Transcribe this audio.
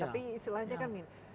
tapi istilahnya kan ini